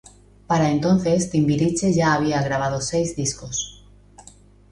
Para entonces Timbiriche ya había grabado seis discos.